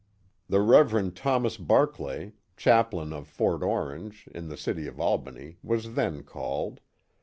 The Rev. Thomas Barclay, chaplain of Fort Orange, in the city of Albany, was then called.